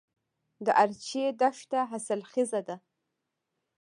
د ارچي دښته حاصلخیزه ده